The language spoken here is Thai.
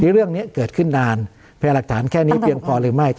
เรื่องนี้เกิดขึ้นนานพยายามหลักฐานแค่นี้เพียงพอหรือไม่